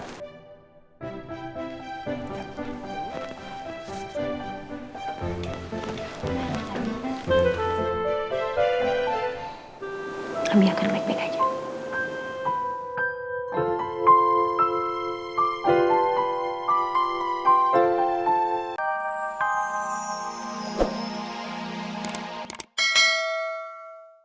kami akan make back aja